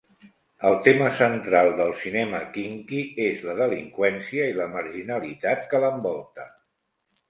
El tema central del cinema quinqui és la delinqüència i la marginalitat que l'envolta.